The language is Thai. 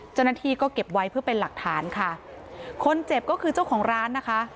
เจ้าหน้าที่ก็เก็บไว้เพื่อเป็นหลักฐานค่ะคนเจ็บก็คือเจ้าของร้านนะคะ